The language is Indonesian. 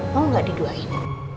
mau ngga di duain